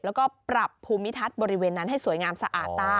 แล้วก็ปรับภูมิทัศน์บริเวณนั้นให้สวยงามสะอาดต้า